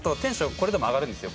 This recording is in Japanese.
これでも上がるんですよ